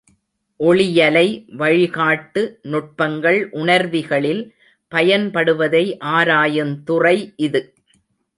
ஒளியலை வழிகாட்டு நுட்பங்கள் உணர்விகளில் பயன்படுவதை ஆராயுந் துறை இது.